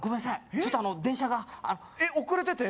ちょっと電車が遅れてて？